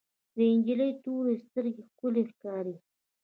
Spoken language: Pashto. د انجلۍ تورې سترګې ښکلې ښکاري.